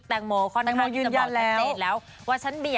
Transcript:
แตงโมยืนยันแล้ว